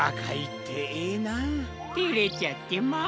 てれちゃってまあ。